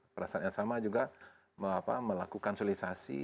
perasaan yang sama juga melakukan solisasi